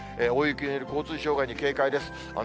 大雪による交通障害に警戒です。